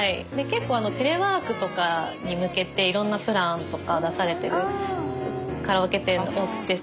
結構テレワークとかに向けて色んなプランとか出されてるカラオケ店多くて。